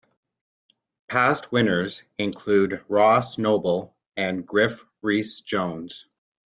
Past winners include Ross Noble and Griff Rhys Jones.